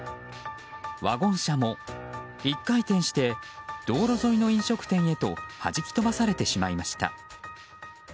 ワゴン車も１回転して道路沿いの飲食店へとはじき飛ばされてしまいました。